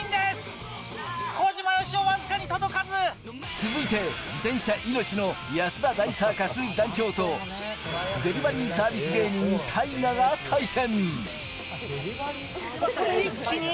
続いて、自転車命の安田大サーカス・団長とデリバリーサービス芸人・ＴＡＩＧＡが対戦。